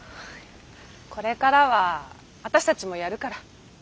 これからは私たちもやるから。